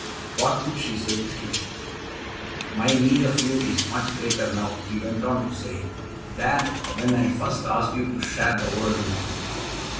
What could she say to him? "My need of you is much greater now," he went on to say, "than when I first asked you to share the world with me.